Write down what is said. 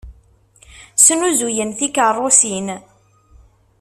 Snuzuyen tikeṛṛusin.